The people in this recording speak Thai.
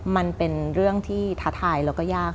มันเป็นเรื่องที่ท้าทายแล้วก็ยาก